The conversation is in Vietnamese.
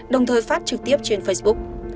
đồng thời phát trực tiếp trên facebook